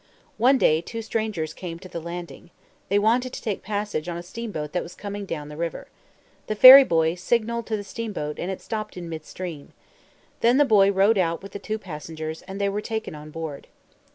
One day two strangers came to the landing. They wanted to take passage on a steamboat that was coming down the river. The ferry boy signalled to the steamboat and it stopped in midstream. Then the boy rowed out with the two passengers, and they were taken on board.